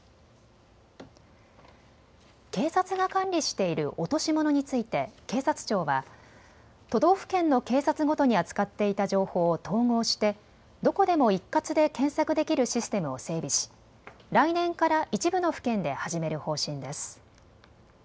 警察が管理している落とし物について警察庁は都道府県の警察ごとに扱っていた情報を統合してどこでも一括で検索できるシステムを整備し来年から一部の府県で始める方針です。